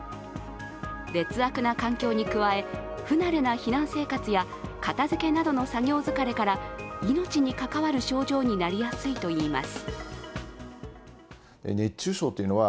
劣悪な環境に加え、不慣れな避難生活や片付けなどの作業疲れから命に関わる症状になりやすいといいます。